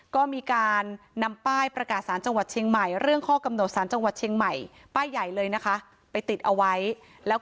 ก็มีการนำป้ายประกาศสารจังหวัดเชียงใหม่